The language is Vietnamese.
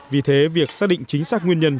vì thế việc xác định chính xác nguyên nhân